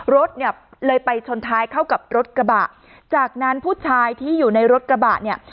รถเนี่ยเลยไปชนท้ายเข้ากับรถกระบะจากนั้นผู้ชายที่อยู่ในรถกระบะเนี่ย